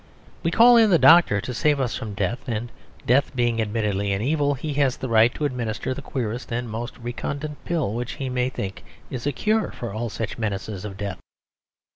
We call in the doctor to save us from death; and, death being admittedly an evil, he has the right to administer the queerest and most recondite pill which he may think is a cure for all such menaces of death.